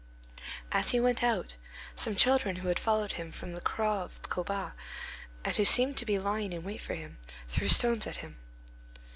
As he went out, some children who had followed him from the Cross of Colbas, and who seemed to be lying in wait for him, threw stones at him.